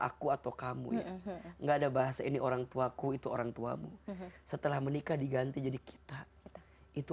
aku atau kamu ya enggak ada bahasa ini orangtuaku itu orangtuamu setelah menikah diganti jadi kita itu